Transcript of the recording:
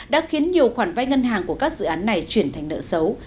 đã khiến nhiều khoản vai ngân hàng của các dự án này chuyển thành nợ xấu